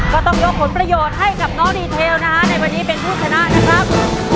ก็ต้องยกผลประโยชน์ให้กับน้องดีเทลนะฮะในวันนี้เป็นผู้ชนะนะครับ